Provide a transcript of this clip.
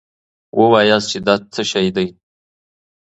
وواياست چې دا څه شی دی.